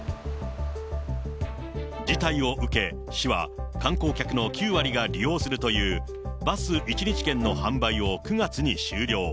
事態を受け、市は観光客の９割が利用するというバス１日券の販売を９月に終了。